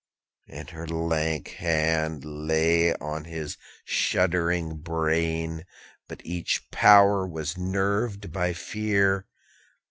_90 17. And her lank hand lay on his shuddering brain; But each power was nerved by fear.